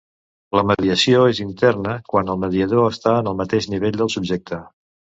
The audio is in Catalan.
La mediació és interna quan el mediador està en el mateix nivell del subjecte.